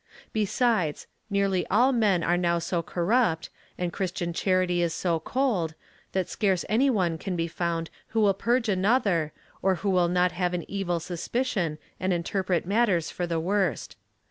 Besides, nearly all men are now so corrupt, and Christian charity is so cold, that scarce any one can be found who will purge another, or who will not have an evil suspicion and interpret matters for the worst.